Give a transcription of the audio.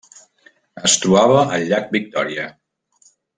Es trobava al llac Victòria.